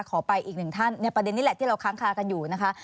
ขอไปอีกหนึ่งท่านในประเด็นนี้แหละที่เราค้างคากันอยู่นะคะ